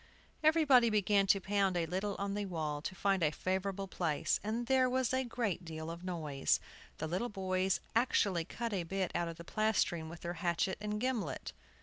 Everybody began to pound a little on the wall to find a favorable place, and there was a great deal of noise. The little boys actually cut a bit out of the plastering with their hatchet and gimlet.